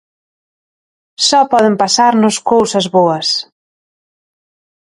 Só poden pasarnos cousas boas.